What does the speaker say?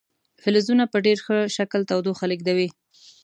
فلزونه په ډیر ښه شکل تودوخه لیږدوي.